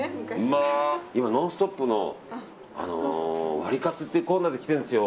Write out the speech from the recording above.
今、「ノンストップ！」のワリカツっていうコーナーで来てるんですよ。